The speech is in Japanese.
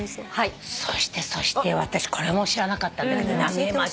そしてそして私これも知らなかったんだけど浪江町。